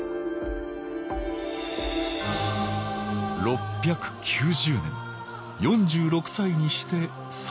６９０年４６歳にして即位。